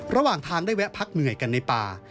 ระหว่างทางได้แวะพักเหนื่อยกันในป่า